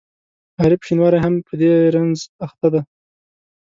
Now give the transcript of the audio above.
عارف شینواری هم په دې رنځ اخته دی.